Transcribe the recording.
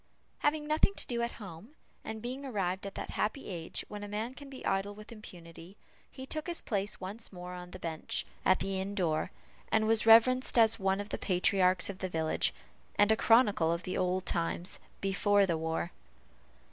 Having nothing to do at home, and being arrived at that happy age when a man can be idle with impunity, he took his place once more on the bench, at the inn door, and was reverenced as one of the patriarchs of the village, and a chronicle of the old times "before the war."